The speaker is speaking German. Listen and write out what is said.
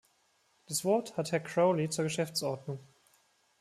Das Wort hat Herr Crowley zur Geschäftsordnung.